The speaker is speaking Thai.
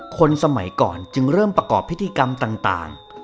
คนสมัยก่อนจึงเริ่มประกอบพิธีกรรมต่าง